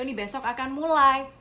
ini besok akan mulai